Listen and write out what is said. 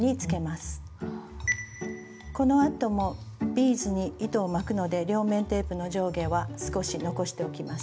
このあともビーズに糸を巻くので両面テープの上下は少し残しておきます。